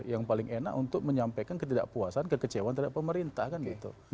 yang paling enak untuk menyampaikan ketidakpuasan kekecewaan terhadap pemerintah kan gitu